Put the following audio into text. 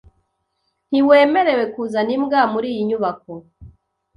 Ntiwemerewe kuzana imbwa muriyi nyubako.